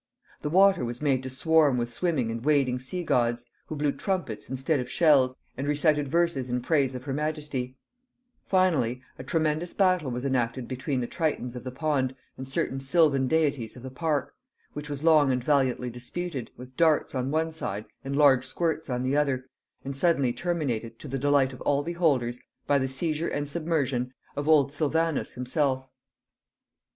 The water was made to swarm with swimming and wading sea gods, who blew trumpets instead of shells, and recited verses in praise of her majesty: finally, a tremendous battle was enacted between the Tritons of the pond and certain sylvan deities of the park, which was long and valiantly disputed, with darts on one side and large squirts on the other, and suddenly terminated, to the delight of all beholders, by the seizure and submersion of old Sylvanus himself.